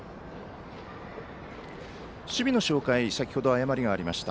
守備の紹介先程誤りがありました。